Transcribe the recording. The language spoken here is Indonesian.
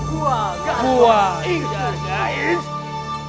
kurang ajar gabungan ajian talikung gelung tidak mempat menghancurkan pelindung gaib itu